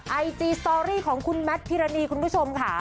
ไอจีสตอรี่ของคุณแมทพิรณีคุณผู้ชมค่ะ